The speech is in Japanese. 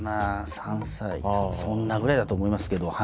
３歳そんなぐらいだと思いますけど。